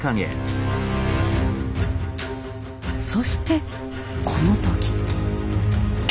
そしてこの時。